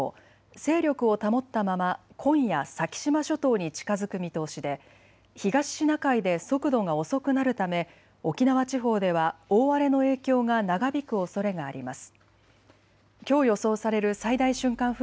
勢力を保ったまま今夜、先島諸島に近づく見通しで東シナ海で速度が遅くなるため沖縄地方では大荒れの影響が長引くおそれがあります。